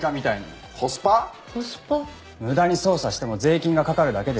無駄に捜査しても税金がかかるだけです。